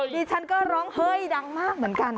ดิฉันก็ร้องเฮ้ยดังมากเหมือนกัน